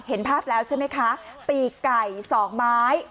เห็นภาพแล้วใช่ไหมคะปีกไก่สองไม้